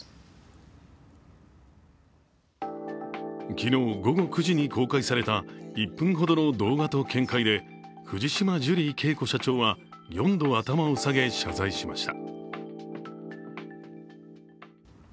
昨日午後９時に公開された１分ほどの動画と見解で藤島ジュリー景子社長は４度、頭を下げ、謝罪しました。